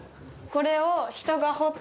これを？